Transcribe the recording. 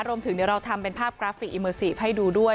รวมถึงเดี๋ยวเราทำเป็นภาพกราฟิกอิเมอร์ซีฟให้ดูด้วย